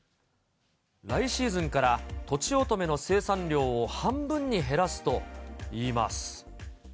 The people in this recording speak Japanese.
来シーズンから、とちおとめの生産量を半分に減らすといいます。